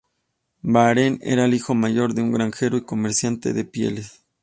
Behrens era el hijo mayor de un granjero y comerciante de pieles.